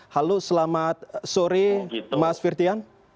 halo selamat sore mas firtian